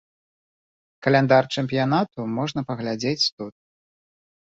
Каляндар чэмпіянату можна паглядзець тут.